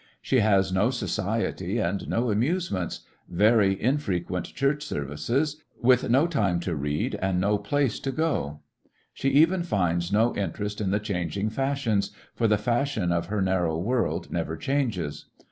She has no society and no amusements, very infrequent Church 46 ^fe '(VlissionarY in tge Great West services, with no time to read and no place to go. She even finds no interest in the changing fashions, for the fashion of her narrow world never changes.